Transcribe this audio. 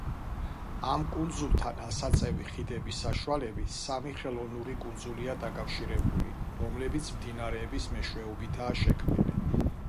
ამ კუნძულთან ასაწევი ხიდების საშუალებით სამი ხელოვნური კუნძულია დაკავშირებული, რომლებიც მდინარეების მეშვეობითაა შემქნილი.